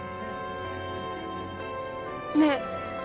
ねえ。